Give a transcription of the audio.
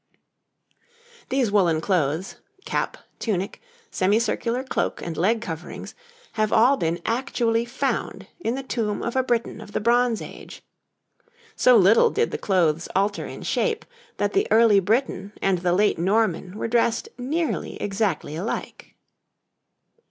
These woollen clothes cap, tunic, semicircular cloak, and leg coverings have all been actually found in the tomb of a Briton of the Bronze Age. So little did the clothes alter in shape, that the early Briton and the late Norman were dressed nearly exactly alike.